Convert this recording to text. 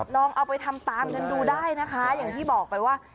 ลองเอาไปทำตามกันดูได้นะคะอย่างที่บอกไปว่า